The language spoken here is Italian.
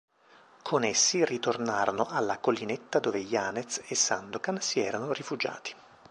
Con essi ritornano alla collinetta dove Yanez e Sandokan si erano rifugiati.